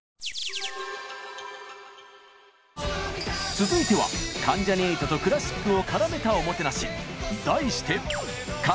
続いては関ジャニ∞とクラシックを絡めたおもてなし。